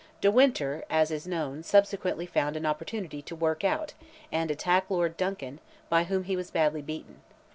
De Winter, as is known, subsequently found an opportunity to work out, and attack Lord Duncan, by whom he was badly beaten.